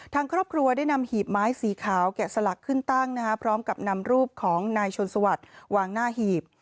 ทางครอบครัวได้นำหีบไม้สีขาวแกะสลักขึ้นตั้งพร้อมกับนำรูปของนายชนสวัสดิ์วางหน้าหีบ